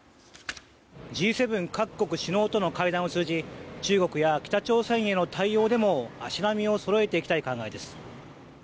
Ｇ７各国首脳との会談を通じ中国や北朝鮮への対応でも足並みをそろえていきたい考えです。